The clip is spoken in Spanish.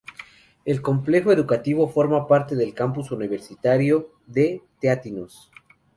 El complejo educativo forma parte del Campus Universitario de Teatinos.